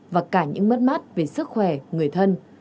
và cả những mất mát về sức khỏe người thân